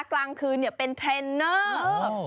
กลางคืนเป็นเทรนเนอร์